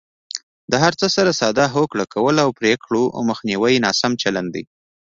د هر څه سره ساده هوکړه کول او پرېکړو مخنیوی ناسم چلند دی.